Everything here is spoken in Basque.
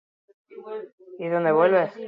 Albisteak ezustean harrapatuko du taldea.